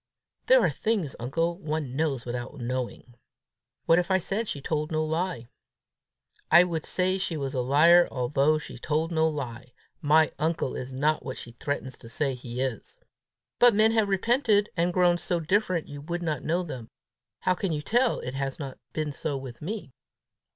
"There are things, uncle, one knows without knowing!" "What if I said she told no lie?" "I should say she was a liar although she told no lie. My uncle is not what she threatens to say he is!" "But men have repented, and grown so different you would not know them: how can you tell it has not been so with me?